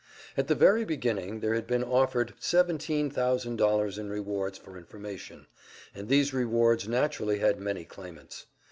At the very beginning there had been offered seventeen thousand dollars in rewards for information, and these rewards naturally had many claimants.